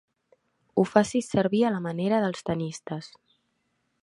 Ho facis servir a la manera dels tennistes.